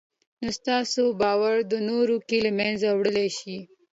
نو ستاسې باور نورو کې له منځه وړلای شي